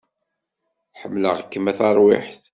Ḥemmleɣ-kem a tarwiḥṭ